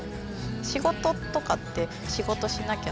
仕事とかって「仕事しなきゃ」